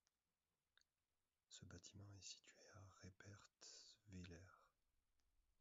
Ce bâtiment est situé à Reipertswiller.